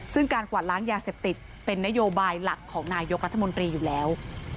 ซึ่งการกวาดล้างยาเสพติดเป็นนโยบายหลักของนายกรัฐมนตรีอยู่แล้ว